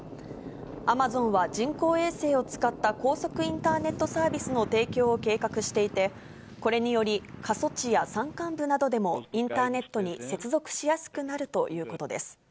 アマゾンは人工衛星を使った高速インターネットサービスの提供を計画していて、これにより、過疎地や山間部などでも、インターネットに接続しやすくなるということです。